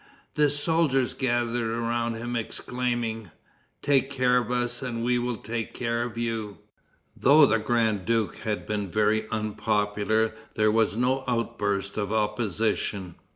The soldiers gathered around him exclaiming, "Take care of us and we will take care of you," Though the grand duke had been very unpopular there was no outburst of opposition.